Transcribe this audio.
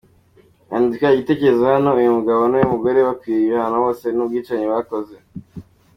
Andika Igitekerezo Hano uyo mugabo nuyo mugore we bakwiye ikihano bose nubwicanyi bakoze.